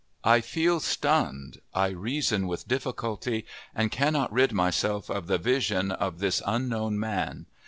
I feel stunned, I reason with difficulty, and cannot rid myself of the vision of this unknown man.